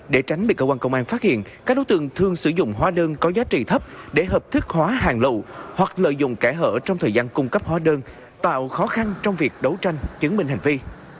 để tránh bị cơ quan công an phát hiện các đối tượng thường sử dụng hóa đơn có giá trị thấp để hợp thức hóa hàng lậu hoặc lợi dụng kẻ hở trong thời gian cung cấp hóa đơn tạo khó khăn trong việc đấu tranh chứng minh hành vi